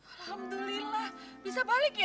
alhamdulillah bisa balik ya